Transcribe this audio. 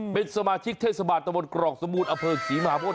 เป็นสมาชิกเทศบาทบนกรองสมูทอเผลศรีมหาวน